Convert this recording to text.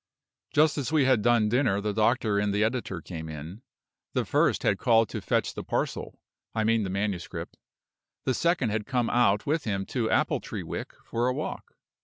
Just as we had done dinner the doctor and the editor came in. The first had called to fetch the parcel I mean the manuscript; the second had come out with him to Appletreewick for a walk.